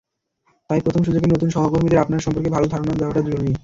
তাই প্রথম সুযোগেই নতুন সহকর্মীদের আপনার সম্পর্কে ভালো ধারণা দেওয়াটা খুবই জরুরি।